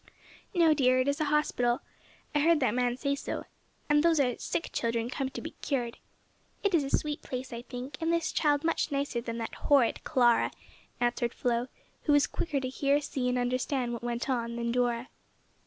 "No, dear, it is a hospital, I heard that man say so, and those are sick children come to be cured. It is a sweet place, I think, and this child much nicer than that horrid Clara," answered Flo, who was quicker to hear, see and understand what went on than Dora.